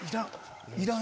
いらん！